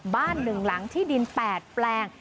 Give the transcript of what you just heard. ๑หลังที่ดิน๘แปลง